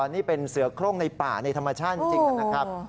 นี่เป็นเสือโครงในป่าในธรรมชาติจริงนะครับ